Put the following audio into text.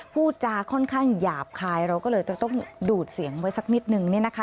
พูดจาค่อนข้างหยาบคายเราก็เลยจะต้องดูดเสียงไว้สักนิดนึงเนี่ยนะคะ